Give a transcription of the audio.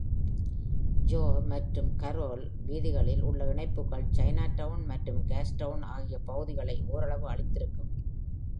Gore மற்றும் Carrall வீதிகளில் உள்ள இணைப்புகள் Chinatown மற்றும் Gastown ஆகிய பகுதிகளை ஓரளவு அழித்திருக்கும்.